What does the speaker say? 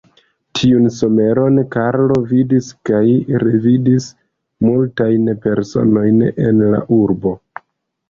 Tiun someron Karlo vidis kaj revidis multajn personojn en la urbo.